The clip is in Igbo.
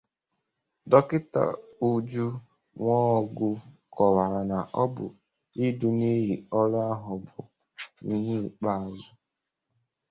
Dọkịta Uju Nwọgụ kọwàrà na ọ bụ idu n'iyi ọrụ ahụ bụ ihe ikpeazụ